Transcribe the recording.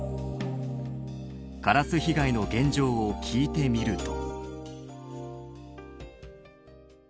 カラス被害の現状を聞いてみると。